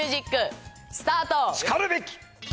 しかるべき！